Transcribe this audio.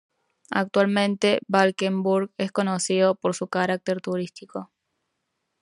Actualmente Valkenburg es conocido por su carácter turístico.